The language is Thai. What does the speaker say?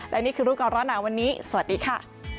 และนี่คือรู้ก่อนร้อนหนาวันนี้สวัสดีค่ะ